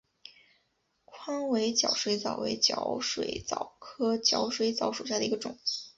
宽尾角水蚤为角水蚤科角水蚤属下的一个种。